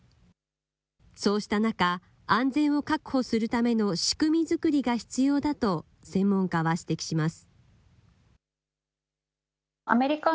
そうした中、安全を確保するための仕組み作りが必要だと、専門家は指摘します。